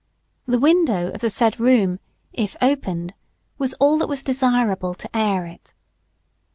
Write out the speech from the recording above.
The window of the said room, if opened, was all that was desirable to air it.